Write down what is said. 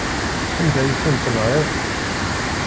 Anda ay ten-tenɣiḍ?